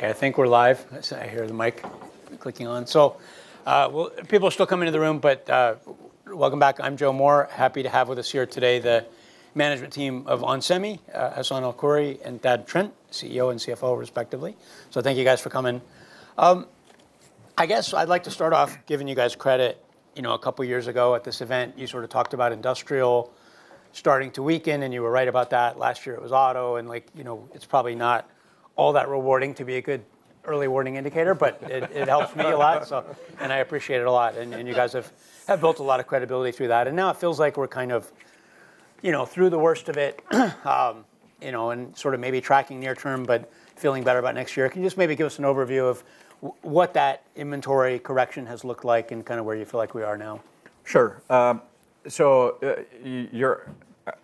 Okay, I think we're live. I hear the mic clicking on. So, well, people are still coming to the room, but welcome back. I'm Joe Moore. Happy to have with us here today the management team of onsemi, Hassane El-Khoury, and Thad Trent, CEO and CFO respectively. So thank you guys for coming. I guess I'd like to start off giving you guys credit. You know, a couple of years ago at this event, you sort of talked about industrial starting to weaken, and you were right about that. Last year it was auto, and like, you know, it's probably not all that rewarding to be a good early warning indicator, but it helped me a lot, and I appreciate it a lot. And you guys have built a lot of credibility through that. Now it feels like we're kind of, you know, through the worst of it, you know, and sort of maybe tracking near term, but feeling better about next year. Can you just maybe give us an overview of what that inventory correction has looked like and kind of where you feel like we are now? Sure. So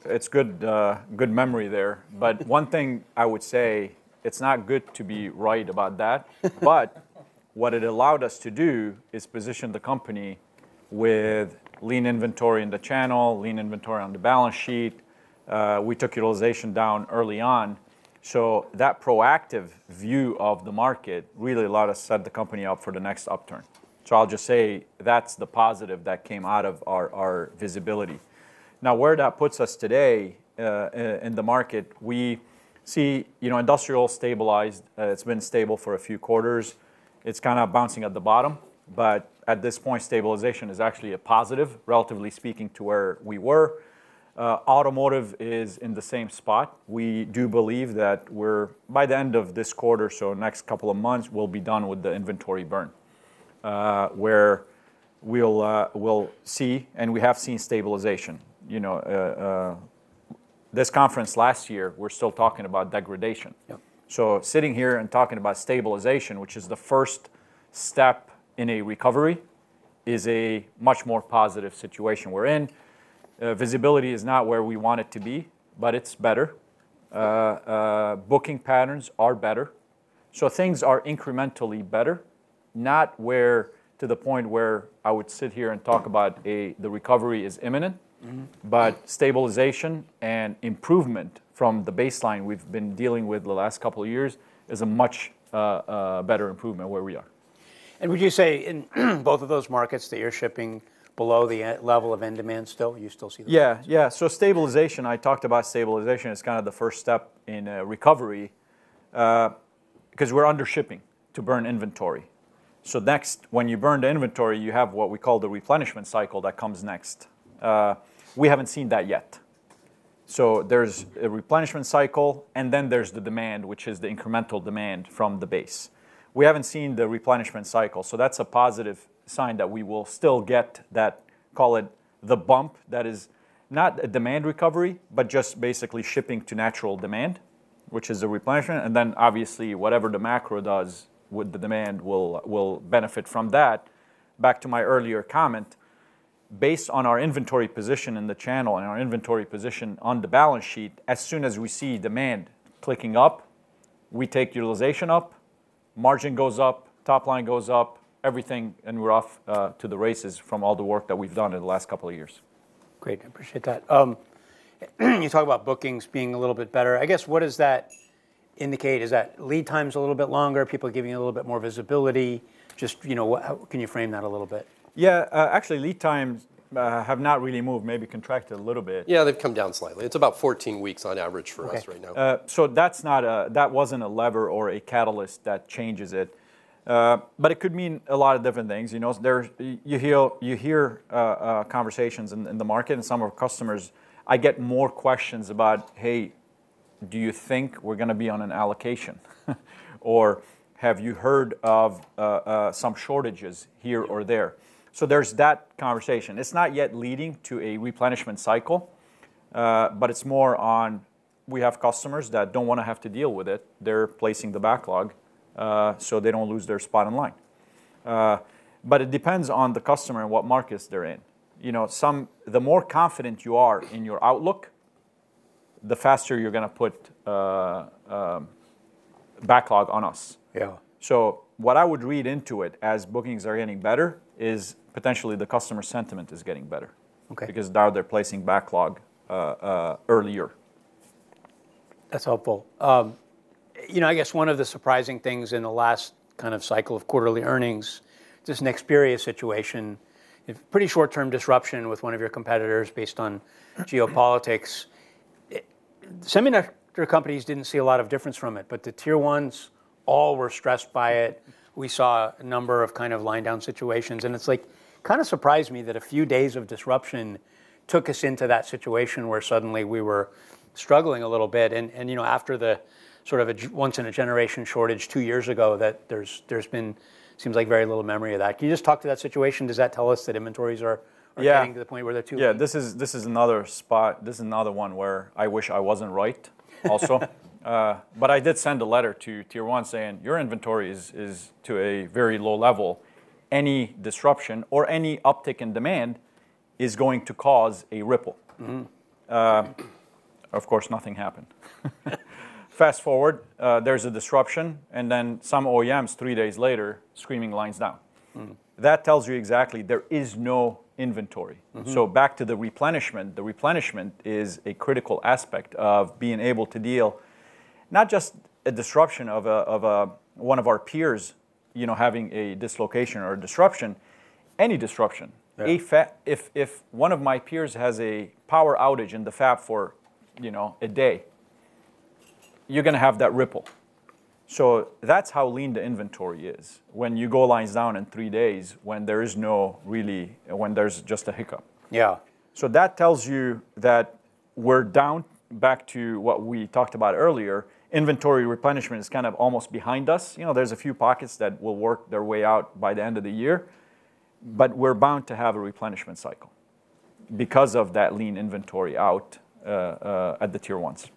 it's good memory there, but one thing I would say, it's not good to be right about that. But what it allowed us to do is position the company with lean inventory in the channel, lean inventory on the balance sheet. We took utilization down early on. So that proactive view of the market really allowed us to set the company up for the next upturn. So I'll just say that's the positive that came out of our visibility. Now, where that puts us today in the market, we see, you know, industrial stabilized. It's been stable for a few quarters. It's kind of bouncing at the bottom. But at this point, stabilization is actually a positive, relatively speaking, to where we were. Automotive is in the same spot. We do believe that we're, by the end of this quarter, so next couple of months, we'll be done with the inventory burn, where we'll see, and we have seen stabilization. You know, this conference last year, we're still talking about degradation. So sitting here and talking about stabilization, which is the first step in a recovery, is a much more positive situation we're in. Visibility is not where we want it to be, but it's better. Booking patterns are better. So things are incrementally better, not to the point where I would sit here and talk about the recovery is imminent. But stabilization and improvement from the baseline we've been dealing with the last couple of years is a much better improvement where we are. Would you say in both of those markets that you're shipping below the level of end demand still? You still see that? Yeah, yeah. So stabilization, I talked about stabilization as kind of the first step in recovery because we're under shipping to burn inventory. So next, when you burn the inventory, you have what we call the replenishment cycle that comes next. We haven't seen that yet. So there's a replenishment cycle, and then there's the demand, which is the incremental demand from the base. We haven't seen the replenishment cycle. So that's a positive sign that we will still get` that, call it the bump that is not a demand recovery, but just basically shipping to natural demand, which is a replenishment. And then obviously, whatever the macro does with the demand will benefit from that. Back to my earlier comment, based on our inventory position in the channel and our inventory position on the balance sheet, as soon as we see demand clicking up, we take utilization up, margin goes up, top line goes up, everything, and we're off to the races from all the work that we've done in the last couple of years. Great. I appreciate that. You talk about bookings being a little bit better. I guess what does that indicate? Is that lead time's a little bit longer, people giving a little bit more visibility? Just, you know, can you frame that a little bit? Yeah, actually, lead times have not really moved, maybe contracted a little bit. Yeah, they've come down slightly. It's about 14 weeks on average for us right now. So that's not. That wasn't a lever or a catalyst that changes it. But it could mean a lot of different things. You know, you hear conversations in the market, and some of our customers. I get more questions about, hey, do you think we're going to be on an allocation? Or have you heard of some shortages here or there? So there's that conversation. It's not yet leading to a replenishment cycle, but it's more on we have customers that don't want to have to deal with it. They're placing the backlog so they don't lose their spot in line. But it depends on the customer and what markets they're in. You know, the more confident you are in your outlook, the faster you're going to put backlog on us. Yeah. So what I would read into it as bookings are getting better is potentially the customer sentiment is getting better because now they're placing backlog earlier. That's helpful. You know, I guess one of the surprising things in the last kind of cycle of quarterly earnings, just an experience situation, pretty short-term disruption with one of your competitors based on geopolitics. Semiconductor companies didn't see a lot of difference from it, but the Tier 1s all were stressed by it. We saw a number of kind of line down situations. And it's like kind of surprised me that a few days of disruption took us into that situation where suddenly we were struggling a little bit. And, you know, after the sort of once in a generation shortage two years ago, that there's been, seems like very little memory of that. Can you just talk to that situation? Does that tell us that inventories are getting to the point where they're too? Yeah, this is another spot. This is another one where I wish I wasn't right also. But I did send a letter to Tier 1 saying, your inventory is to a very low level. Any disruption or any uptick in demand is going to cause a ripple. Of course, nothing happened. Fast forward, there's a disruption, and then some OEMs three days later screaming lines down. That tells you exactly there is no inventory. So back to the replenishment, the replenishment is a critical aspect of being able to deal not just a disruption of one of our peers, you know, having a dislocation or a disruption, any disruption. If one of my peers has a power outage in the fab for, you know, a day, you're going to have that ripple. So that's how lean the inventory is when lines go down in three days when there's just a hiccup. Yeah. So that tells you that we're back down to what we talked about earlier. Inventory replenishment is kind of almost behind us. You know, there's a few pockets that will work their way out by the end of the year, but we're bound to have a replenishment cycle because of that lean inventory out at the Tier 1s.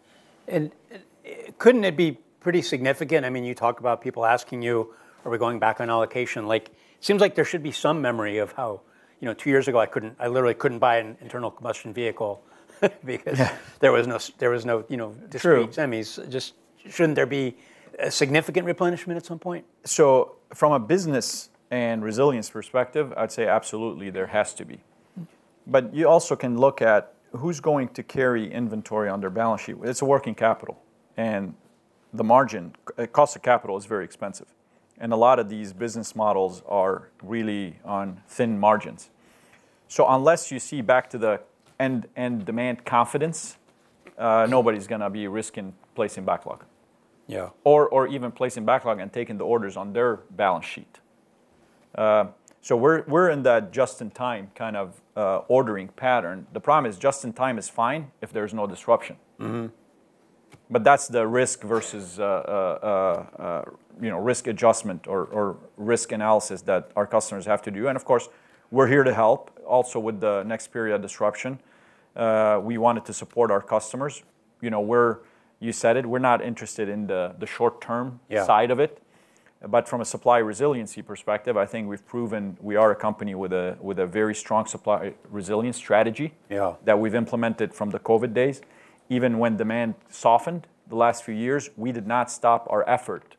Couldn't it be pretty significant? I mean, you talk about people asking you, are we going back on allocation? Like, it seems like there should be some memory of how, you know, two years ago I couldn't, I literally couldn't buy an internal combustion vehicle because there was no, you know, distributed semis. Just shouldn't there be a significant replenishment at some point? So from a business and resilience perspective, I'd say absolutely there has to be. But you also can look at who's going to carry inventory on their balance sheet. It's a working capital. And the margin, cost of capital is very expensive. And a lot of these business models are really on thin margins. So unless you see back to the end demand confidence, nobody's going to be risking placing backlog. Yeah. Or even placing backlog and taking the orders on their balance sheet. So we're in that just-in-time kind of ordering pattern. The problem is just-in-time is fine if there's no disruption. But that's the risk versus, you know, risk adjustment or risk analysis that our customers have to do. And of course, we're here to help also with the next period of disruption. We wanted to support our customers. You know, we're, you said it, we're not interested in the short-term side of it. But from a supply resiliency perspective, I think we've proven we are a company with a very strong supply resilience strategy that we've implemented from the COVID days. Even when demand softened the last few years, we did not stop our effort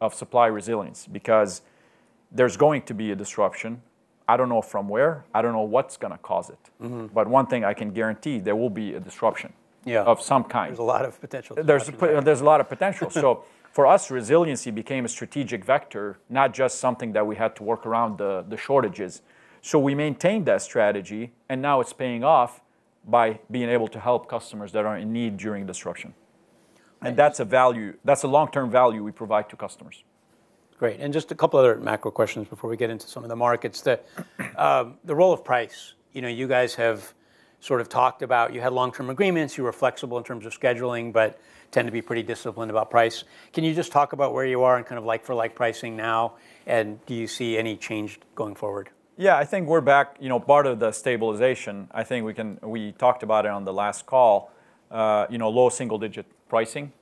of supply resilience because there's going to be a disruption. I don't know from where. I don't know what's going to cause it. But one thing I can guarantee, there will be a disruption of some kind. There's a lot of potential. There's a lot of potential. So for us, resiliency became a strategic vector, not just something that we had to work around the shortages. So we maintained that strategy, and now it's paying off by being able to help customers that are in need during disruption. And that's a value, that's a long-term value we provide to customers. Great. And just a couple of other macro questions before we get into some of the markets. The role of price, you know, you guys have sort of talked about you had long-term agreements, you were flexible in terms of scheduling, but tend to be pretty disciplined about price. Can you just talk about where you are and kind of like-for-like pricing now? And do you see any change going forward? Yeah, I think we're back, you know, part of the stabilization. I think we can, we talked about it on the last call, you know, low single-digit pricing.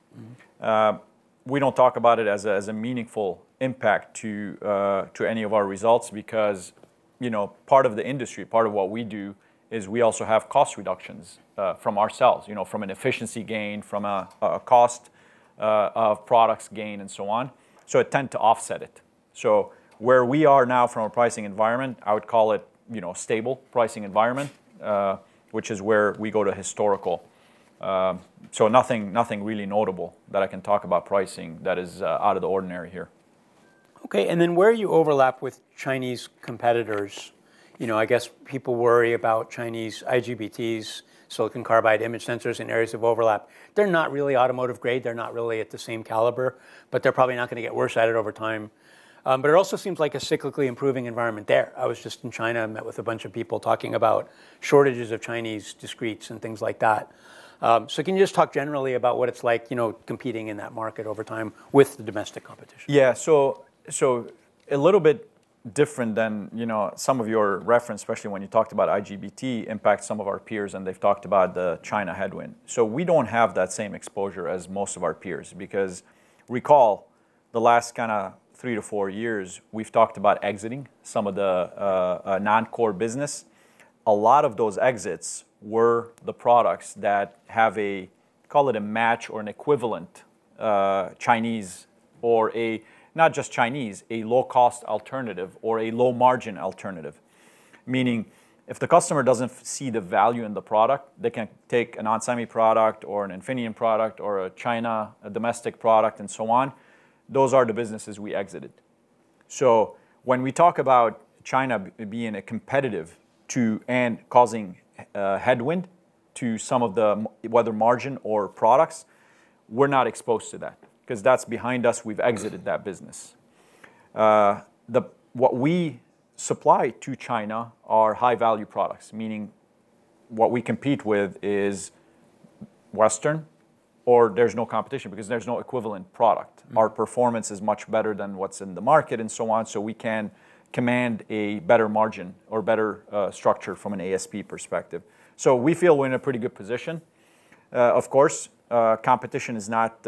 We don't talk about it as a meaningful impact to any of our results because, you know, part of the industry, part of what we do is we also have cost reductions from ourselves, you know, from an efficiency gain, from a cost of products gain, and so on. So it tends to offset it. So where we are now from a pricing environment, I would call it, you know, stable pricing environment, which is where we go to historical. So nothing really notable that I can talk about pricing that is out of the ordinary here. Okay. And then where you overlap with Chinese competitors, you know, I guess people worry about Chinese IGBTs, silicon carbide image sensors in areas of overlap. They're not really automotive grade. They're not really at the same caliber, but they're probably not going to get worse at it over time. But it also seems like a cyclically improving environment there. I was just in China, met with a bunch of people talking about shortages of Chinese discretes and things like that. So can you just talk generally about what it's like, you know, competing in that market over time with the domestic competition? Yeah. So a little bit different than, you know, some of your references, especially when you talked about IGBT impact some of our peers, and they've talked about the China headwind. So we don't have that same exposure as most of our peers because recall the last kind of three to four years, we've talked about exiting some of the non-core business. A lot of those exits were the products that have a, call it a match or an equivalent Chinese or a, not just Chinese, a low-cost alternative or a low-margin alternative. Meaning if the customer doesn't see the value in the product, they can take an onsemi product or an Infineon product or a China domestic product and so on. Those are the businesses we exited. So when we talk about China being a competitor to and causing headwind to some of the, whether it's margin or products, we're not exposed to that because that's behind us. We've exited that business. What we supply to China are high-value products. Meaning what we compete with is Western, or there's no competition because there's no equivalent product. Our performance is much better than what's in the market and so on. So we can command a better margin or better structure from an ASP perspective. So we feel we're in a pretty good position. Of course, competition is not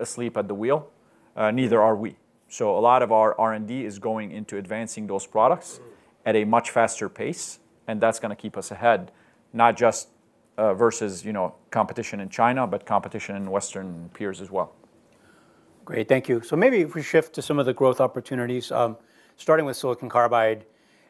asleep at the wheel, neither are we. So a lot of our R&D is going into advancing those products at a much faster pace, and that's going to keep us ahead, not just versus, you know, competition in China, but competition in Western peers as well. Great. Thank you. So maybe if we shift to some of the growth opportunities, starting with silicon carbide,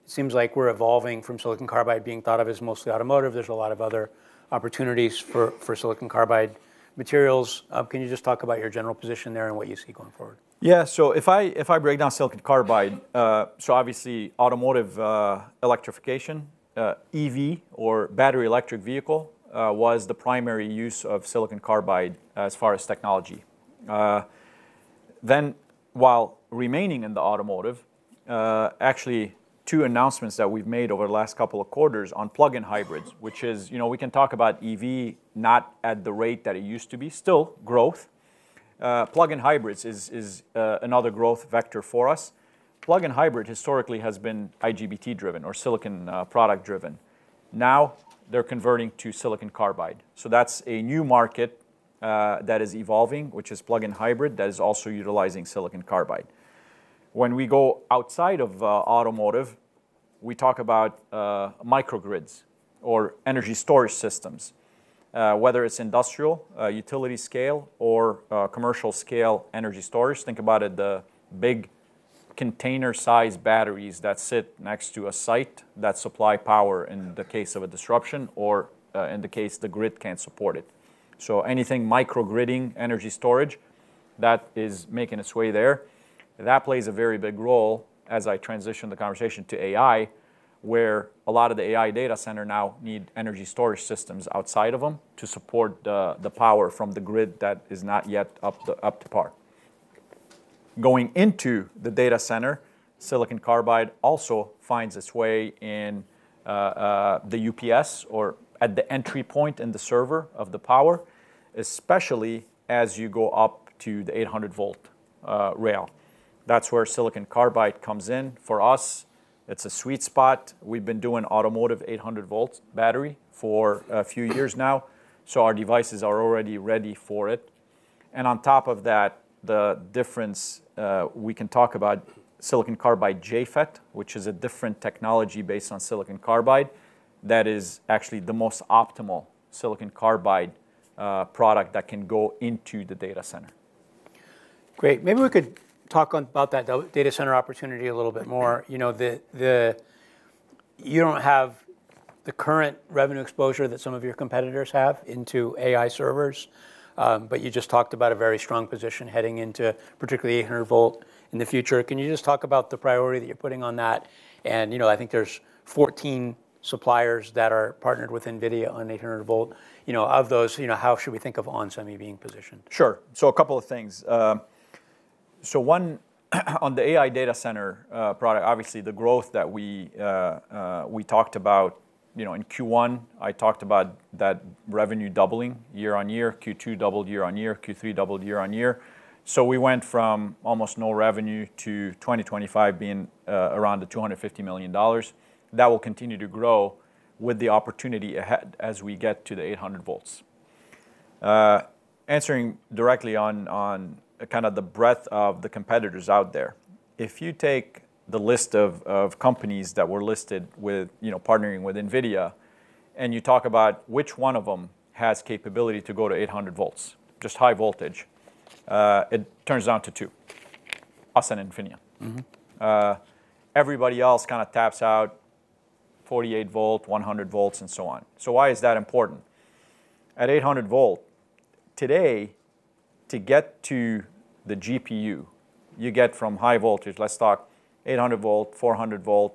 it seems like we're evolving from silicon carbide being thought of as mostly automotive. There's a lot of other opportunities for silicon carbide materials. Can you just talk about your general position there and what you see going forward? Yeah. So if I break down silicon carbide, so obviously automotive electrification, EV or battery electric vehicle was the primary use of silicon carbide as far as technology. Then while remaining in the automotive, actually two announcements that we've made over the last couple of quarters on plug-in hybrids, which is, you know, we can talk about EV not at the rate that it used to be, still growth. Plug-in hybrids is another growth vector for us. Plug-in hybrid historically has been IGBT-driven or silicon product-driven. Now they're converting to silicon carbide. So that's a new market that is evolving, which is plug-in hybrid that is also utilizing silicon carbide. When we go outside of automotive, we talk about microgrids or energy storage systems, whether it's industrial utility scale or commercial scale energy storage. Think about it, the big container-sized batteries that sit next to a site that supply power in the case of a disruption or in the case the grid can't support it, so anything microgridding, energy storage that is making its way there, that plays a very big role as I transition the conversation to AI, where a lot of the AI data center now need energy storage systems outside of them to support the power from the grid that is not yet up to par. Going into the data center, silicon carbide also finds its way in the UPS or at the entry point in the server of the power, especially as you go up to the 800-volt rail. That's where silicon carbide comes in. For us, it's a sweet spot. We've been doing automotive 800-volt battery for a few years now, so our devices are already ready for it. On top of that, the difference we can talk about silicon carbide JFET, which is a different technology based on silicon carbide that is actually the most optimal silicon carbide product that can go into the data center. Great. Maybe we could talk about that data center opportunity a little bit more. You know, you don't have the current revenue exposure that some of your competitors have into AI servers, but you just talked about a very strong position heading into particularly 800-volt in the future. Can you just talk about the priority that you're putting on that? And, you know, I think there's 14 suppliers that are partnered with NVIDIA on 800-volt. You know, of those, you know, how should we think of onsemi being positioned? Sure. So a couple of things. So one on the AI data center product, obviously the growth that we talked about, you know, in Q1, I talked about that revenue doubling year-on-year, Q2 doubled year-on-year, Q3 doubled year-on-year. So we went from almost no revenue to 2025 being around the $250 million. That will continue to grow with the opportunity as we get to the 800-volt. Answering directly on kind of the breadth of the competitors out there, if you take the list of companies that were listed with, you know, partnering with NVIDIA and you talk about which one of them has capability to go to 800-volt, just high voltage, it narrows down to two, onsemi and Infineon. Everybody else kind of taps out 48-volt, 100-volt, and so on. So why is that important? At 800-volt today, to get to the GPU, you get from high voltage, let's talk 800-volt, 400-volt,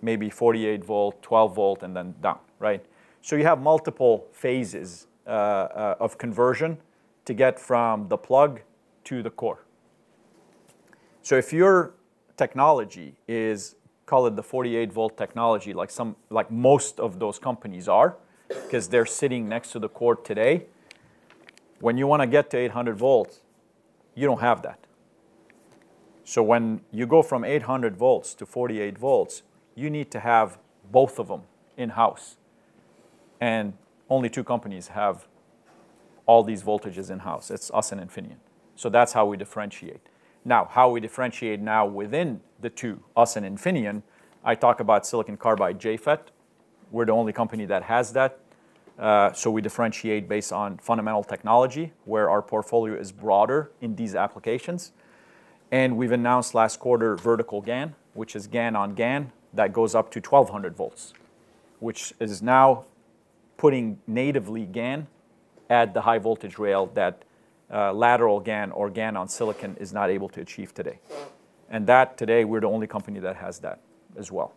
maybe 48-volt, 12-volt, and then down, right? So you have multiple phases of conversion to get from the plug to the core. So if your technology is, call it the 48-volt technology, like most of those companies are, because they're sitting next to the core today, when you want to get to 800-volt, you don't have that. So when you go from 800-volts to 48-volts, you need to have both of them in-house. And only two companies have all these voltages in-house. It's onsemi and Infineon. So that's how we differentiate. Now, how we differentiate now within the two, onsemi and Infineon, I talk about silicon carbide JFET. We're the only company that has that. So we differentiate based on fundamental technology where our portfolio is broader in these applications. We've announced last quarter vertical GaN, which is GaN-on-GaN that goes up to 1,200 volts, which is now putting natively GaN at the high voltage rail that lateral GaN or GaN-on-silicon is not able to achieve today. That today, we're the only company that has that as well.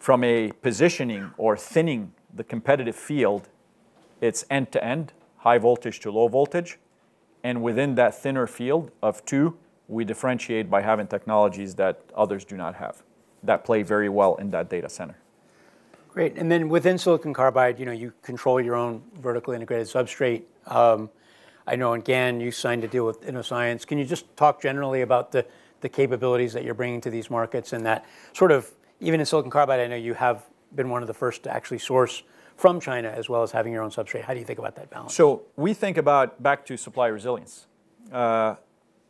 From a positioning or thinning the competitive field, it's end-to-end, high voltage to low voltage. Within that thinner field of two, we differentiate by having technologies that others do not have that play very well in that data center. Great. And then within silicon carbide, you know, you control your own vertically integrated substrate. I know in GaN, you signed a deal with Innoscience. Can you just talk generally about the capabilities that you're bringing to these markets and that sort of even in silicon carbide, I know you have been one of the first to actually source from China as well as having your own substrate. How do you think about that balance? So we think about back to supply resilience.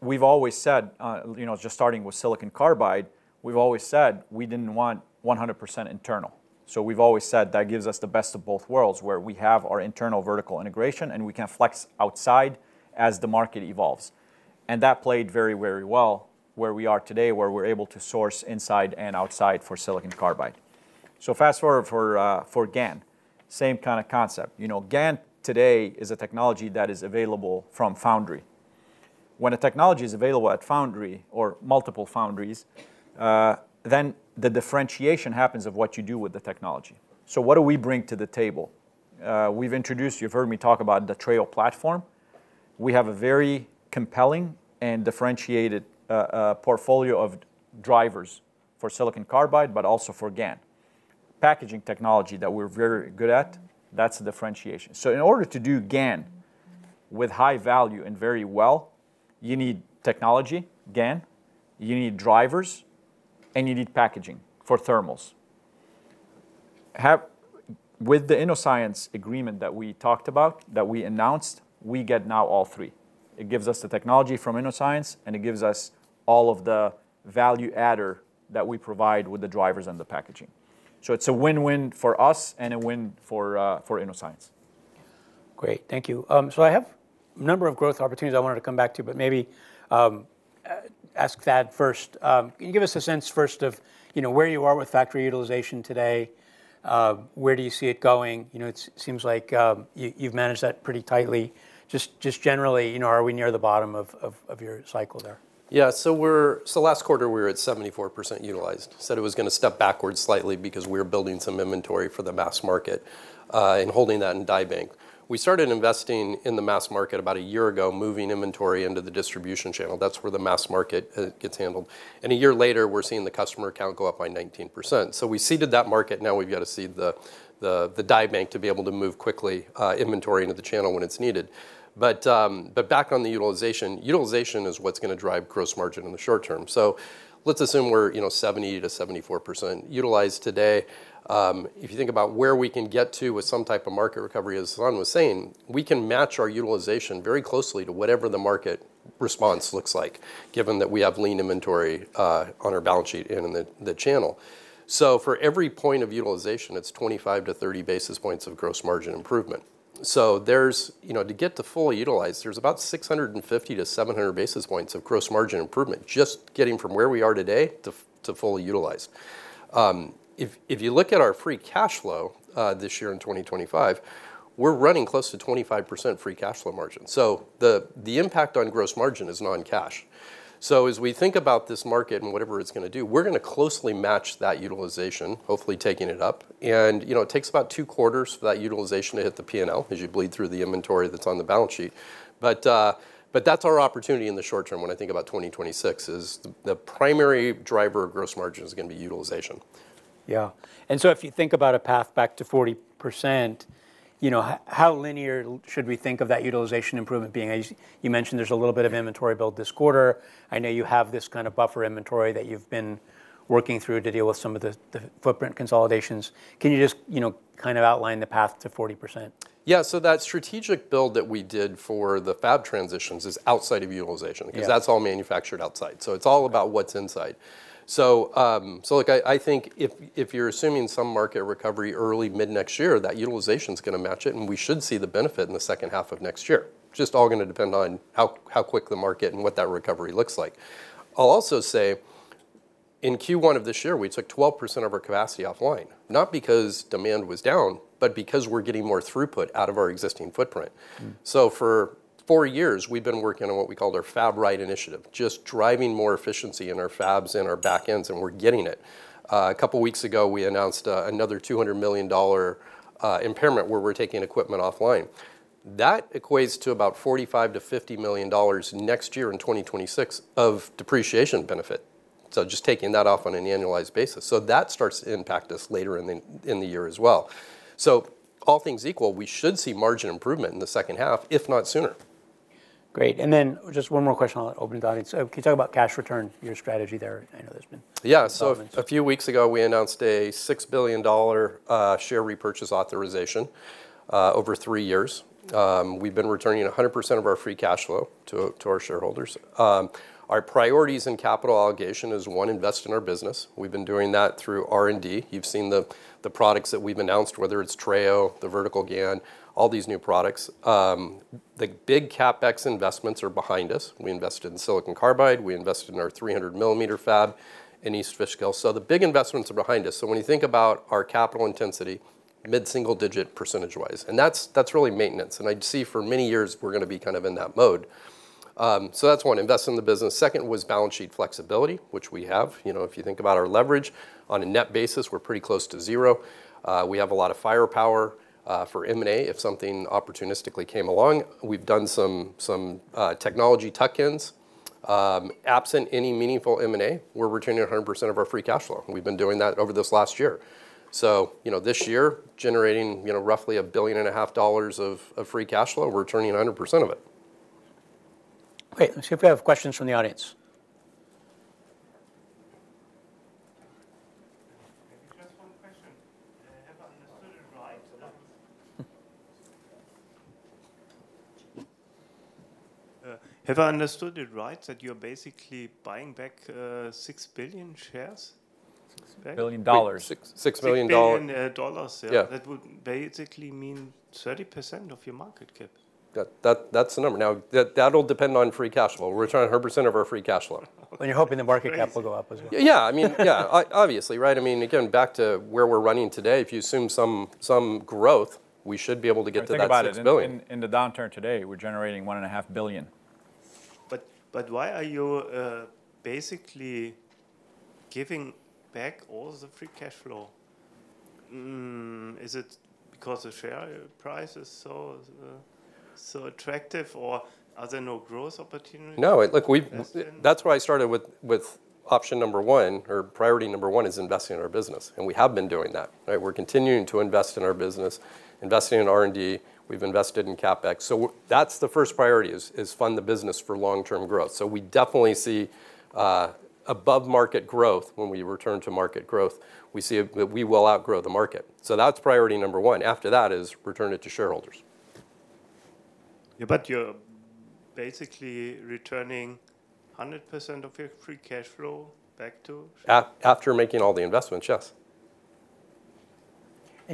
We've always said, you know, just starting with silicon carbide, we've always said we didn't want 100% internal. So we've always said that gives us the best of both worlds where we have our internal vertical integration and we can flex outside as the market evolves. And that played very, very well where we are today, where we're able to source inside and outside for silicon carbide. So fast forward for GaN, same kind of concept. You know, GaN today is a technology that is available from foundry. When a technology is available at foundry or multiple foundries, then the differentiation happens of what you do with the technology. So what do we bring to the table? We've introduced, you've heard me talk about the Treo platform. We have a very compelling and differentiated portfolio of drivers for silicon carbide, but also for GaN. Packaging technology that we're very good at, that's the differentiation, so in order to do GaN with high value and very well, you need technology, GaN, you need drivers, and you need packaging for thermals. With the Innoscience agreement that we talked about, that we announced, we get now all three. It gives us the technology from Innoscience and it gives us all of the value added that we provide with the drivers and the packaging, so it's a win-win for us and a win for Innoscience. Great. Thank you. So I have a number of growth opportunities I wanted to come back to, but maybe ask that first. Can you give us a sense first of, you know, where you are with factory utilization today? Where do you see it going? You know, it seems like you've managed that pretty tightly. Just generally, you know, are we near the bottom of your cycle there? Yeah. So last quarter, we were at 74% utilized. Said it was going to step backwards slightly because we're building some inventory for the mass market and holding that in die bank. We started investing in the mass market about a year ago, moving inventory into the distribution channel. That's where the mass market gets handled. And a year later, we're seeing the customer account go up by 19%. So we seeded that market. Now we've got to seed the die bank to be able to move quickly inventory into the channel when it's needed. But back on the utilization, utilization is what's going to drive gross margin in the short term. So let's assume we're, you know, 70%-74% utilized today. If you think about where we can get to with some type of market recovery, as Hassane was saying, we can match our utilization very closely to whatever the market response looks like, given that we have lean inventory on our balance sheet and in the channel. So for every point of utilization, it's 25 to 30 basis points of gross margin improvement. So there's, you know, to get to fully utilized, there's about 650 to 700 basis points of gross margin improvement just getting from where we are today to fully utilized. If you look at our free cash flow this year in 2025, we're running close to 25% free cash flow margin. So the impact on gross margin is non-cash. So as we think about this market and whatever it's going to do, we're going to closely match that utilization, hopefully taking it up. You know, it takes about two quarters for that utilization to hit the P&L as you bleed through the inventory that's on the balance sheet. That's our opportunity in the short term. When I think about 2026, the primary driver of gross margin is going to be utilization. Yeah. And so if you think about a path back to 40%, you know, how linear should we think of that utilization improvement being? You mentioned there's a little bit of inventory build this quarter. I know you have this kind of buffer inventory that you've been working through to deal with some of the footprint consolidations. Can you just, you know, kind of outline the path to 40%? Yeah. So that strategic build that we did for the fab transitions is outside of utilization because that's all manufactured outside. So it's all about what's inside. So look, I think if you're assuming some market recovery early mid next year, that utilization is going to match it and we should see the benefit in the second half of next year. Just all going to depend on how quick the market and what that recovery looks like. I'll also say in Q1 of this year, we took 12% of our capacity offline, not because demand was down, but because we're getting more throughput out of our existing footprint. So for four years, we've been working on what we call our Fab Right initiative, just driving more efficiency in our fabs and our backends, and we're getting it. A couple of weeks ago, we announced another $200 million impairment where we're taking equipment offline. That equates to about $45-$50 million next year in 2026 of depreciation benefit. So just taking that off on an annualized basis. So that starts to impact us later in the year as well. So all things equal, we should see margin improvement in the second half, if not sooner. Great, and then just one more question. I'll open the audience. Can you talk about cash returns, your strategy there? I know there's been problems. Yeah. So a few weeks ago, we announced a $6 billion share repurchase authorization over three years. We've been returning 100% of our free cash flow to our shareholders. Our priorities in capital allocation is one, invest in our business. We've been doing that through R&D. You've seen the products that we've announced, whether it's Treo, the vertical GaN, all these new products. The big CapEx investments are behind us. We invested in silicon carbide. We invested in our 300-millimeter fab in East Fishkill. So the big investments are behind us. So when you think about our capital intensity, mid-single digit percentage-wise, and that's really maintenance. And I see for many years we're going to be kind of in that mode. So that's one, invest in the business. Second was balance sheet flexibility, which we have. You know, if you think about our leverage on a net basis, we're pretty close to zero. We have a lot of firepower for M&A if something opportunistically came along. We've done some technology tuck-ins. Absent any meaningful M&A, we're returning 100% of our free cash flow. We've been doing that over this last year. So, you know, this year generating, you know, roughly $1.5 billion of free cash flow, we're returning 100% of it. Great. Let's see if we have questions from the audience. Maybe just one question. Have I understood it right? Have I understood it right that you're basically buying back six billion shares? $6 billion. $6 billion. $6 billion. Yeah. That would basically mean 30% of your market cap. That's the number. Now, that'll depend on free cash flow. We're returning 100% of our free cash flow. You're hoping the market cap will go up as well. Yeah. I mean, yeah, obviously, right? I mean, again, back to where we're running today, if you assume some growth, we should be able to get to that $6 billion. I think about it. In the downturn today, we're generating $1.5 billion. But why are you basically giving back all the free cash flow? Is it because the share price is so attractive or are there no growth opportunities? No. Look, that's why I started with option number one or priority number one is investing in our business and we have been doing that, right? We're continuing to invest in our business, investing in R&D. We've invested in CapEx, so that's the first priority is fund the business for long-term growth, so we definitely see above market growth when we return to market growth, we see that we will outgrow the market, so that's priority number one. After that is return it to shareholders. But you're basically returning 100% of your free cash flow back to? After making all the investments, yes.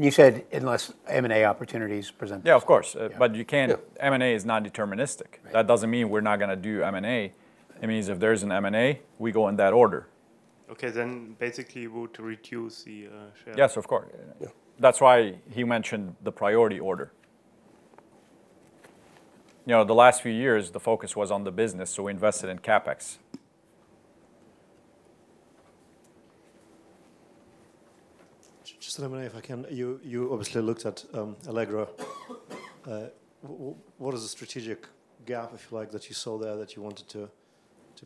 You said unless M&A opportunities present. Yeah, of course. But you can't. M&A is not deterministic. That doesn't mean we're not going to do M&A. It means if there's an M&A, we go in that order. Okay. Then basically you want to reduce the share. Yes, of course. That's why he mentioned the priority order. You know, the last few years, the focus was on the business, so we invested in CapEx. Just let me know if I can. You obviously looked at Allegro. What is the strategic gap, if you like, that you saw there that you wanted to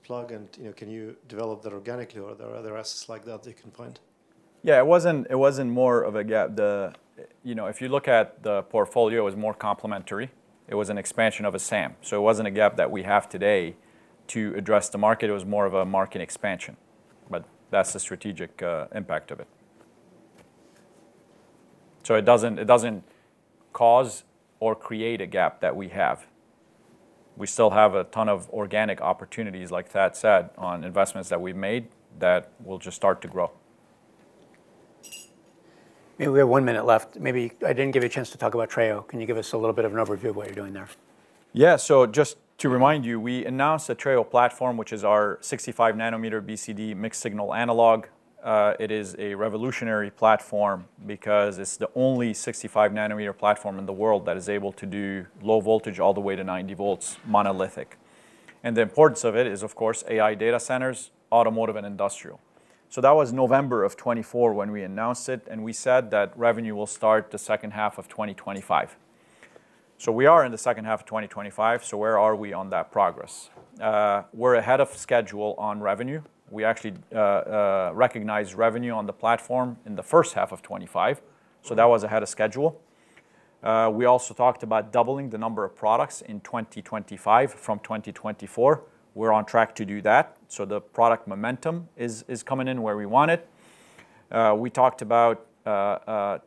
plug? And can you develop that organically or are there other assets like that that you can find? Yeah. It wasn't more of a gap. You know, if you look at the portfolio, it was more complementary. It was an expansion of a SAM. So it wasn't a gap that we have today to address the market. It was more of a market expansion. But that's the strategic impact of it. So it doesn't cause or create a gap that we have. We still have a ton of organic opportunities, like Thad said, on investments that we've made that will just start to grow. We have one minute left. Maybe I didn't give you a chance to talk about Treo. Can you give us a little bit of an overview of what you're doing there? Yeah. So just to remind you, we announced the Treo platform, which is our 65-nanometer BCD mixed signal analog. It is a revolutionary platform because it's the only 65-nanometer platform in the world that is able to do low voltage all the way to 90 volts, monolithic. And the importance of it is, of course, AI data centers, automotive and industrial. So that was November of 2024 when we announced it, and we said that revenue will start the second half of 2025. So we are in the second half of 2025. So where are we on that progress? We're ahead of schedule on revenue. We actually recognized revenue on the platform in the first half of 2025. So that was ahead of schedule. We also talked about doubling the number of products in 2025 from 2024. We're on track to do that. The product momentum is coming in where we want it. We talked about $1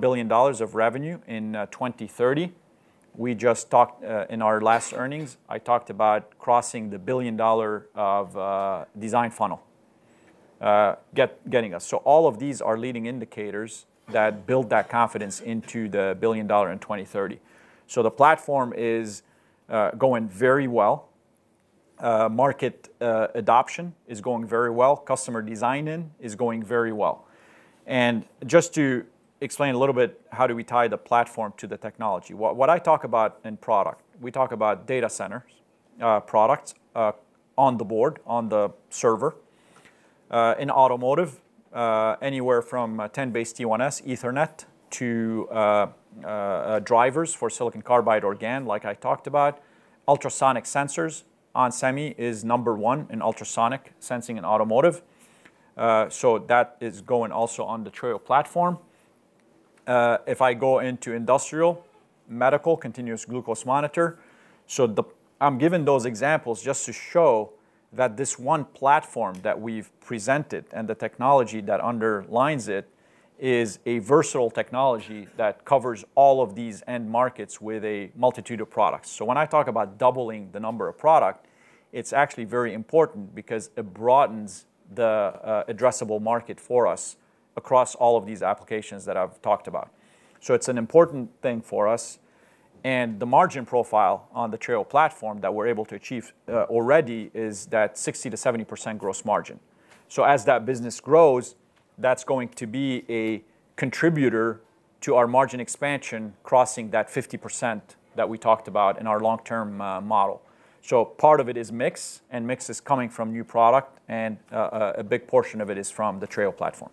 billion of revenue in 2030. We just talked in our last earnings. I talked about crossing the $1 billion of design funnel getting us. All of these are leading indicators that build that confidence into the $1 billion in 2030. The platform is going very well. Market adoption is going very well. Customer design in is going very well. Just to explain a little bit, how do we tie the platform to the technology? What I talk about in product, we talk about data centers, products on the board, on the server. In automotive, anywhere from 10BASE-T1S, Ethernet to drivers for silicon carbide or GaN, like I talked about. Ultrasonic sensors on onsemi is number one in ultrasonic sensing in automotive. That is going also on the Treo platform. If I go into industrial, medical, continuous glucose monitor. So I'm giving those examples just to show that this one platform that we've presented and the technology that underlies it is a versatile technology that covers all of these end markets with a multitude of products. So when I talk about doubling the number of product, it's actually very important because it broadens the addressable market for us across all of these applications that I've talked about. So it's an important thing for us. And the margin profile on the Treo platform that we're able to achieve already is that 60%-70% gross margin. So as that business grows, that's going to be a contributor to our margin expansion crossing that 50% that we talked about in our long-term model. Part of it is mix, and mix is coming from new product, and a big portion of it is from the Treo platform.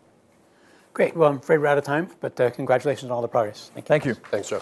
Great. Well, I'm afraid we're out of time, but congratulations on all the progress. Thank you. Thank you.